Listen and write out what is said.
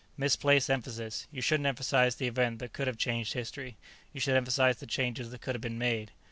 "Misplaced emphasis. You shouldn't emphasize the event that could have changed history; you should emphasize the changes that could have been made.